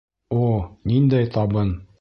О, ниндәй табын!